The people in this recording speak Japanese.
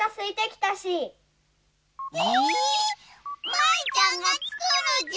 舞ちゃんがつくるじゃ？